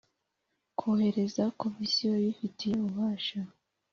Koherereza komisiyo ibifitiye ububasha